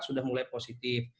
sudah mulai positif